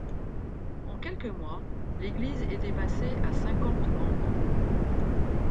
En quelques mois, l'église était passé à cinquante membres.